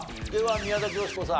宮崎美子さん